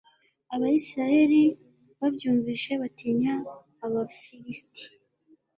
abayisraheli babyumvise batinya abafilisiti